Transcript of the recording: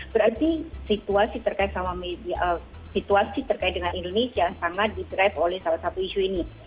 berarti situasi terkait dengan indonesia sangat di drive oleh salah satu isu ini